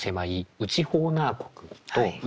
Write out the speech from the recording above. ホーナー国と内